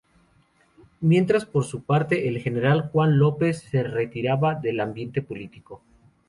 Mientras por su parte el general Juan López se retiraba del ambiente político.